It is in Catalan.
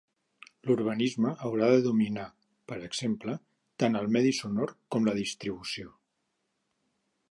L'urbanisme haurà de dominar, per exemple, tant el medi sonor com la distribució.